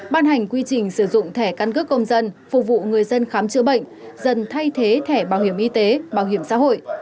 ban hành quy trình sử dụng thẻ căn cước công dân phục vụ người dân khám chữa bệnh dần thay thế thẻ bảo hiểm y tế bảo hiểm xã hội